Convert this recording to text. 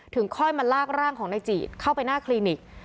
ค่อยมาลากร่างของนายจีดเข้าไปหน้าคลินิก